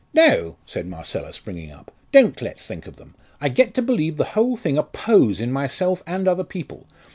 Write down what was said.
"No!" said Marcella, springing up. "Don't let's think of them. I get to believe the whole thing a pose in myself and other people.